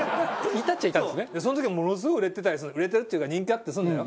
その時はものすごい売れてたり売れてるっていうか人気あったりするのよ。